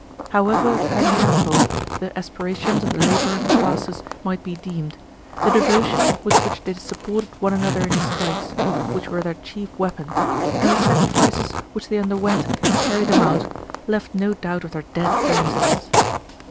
However chimerical the aspirations of the laboring classes might be deemed, the devotion with which they supported one another in the strikes, which were their chief weapon, and the sacrifices which they underwent to carry them out left no doubt of their dead earnestness.